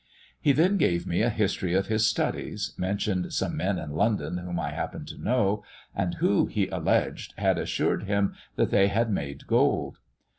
"He then gave me a history of his studies, mentioned some men in London whom I happened to know, and who, he alleged, had assured him that they had made gold.